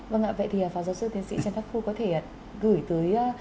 vâng ạ vậy thì pháo giáo sư tiến sĩ trần thác phu có thể gửi tới